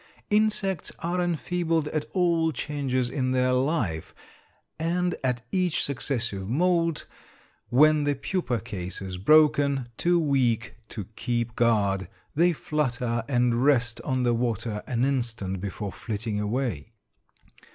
Insects are enfeebled at all changes in their life, and at each successive moult, when the pupa case is broken, too weak to keep guard, they flutter and rest on the water an instant before flitting away.